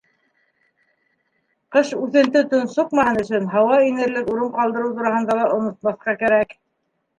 Ҡыш үҫенте тонсоҡмаһын өсөн һауа инерлек урын ҡалдырыу тураһында ла онотмаҫҡа кәрәк.